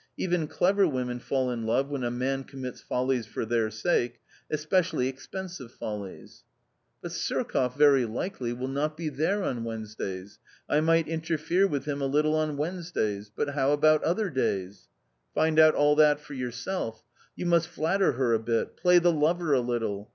Even clever women fall in love when a man commits follies for their sake, especially expensive follies.' 1 " But Surkoff, very likely, will not be there on Wednes days. I might interfere with him a little on Wednesdays ; but how about other days ?"" Find out all that for yourself! You must flatter her a bit, play the lover a little.